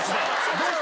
どうした？